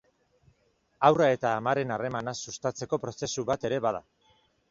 Haurra eta amaren harremana sustatzeko prozesu bat ere bada.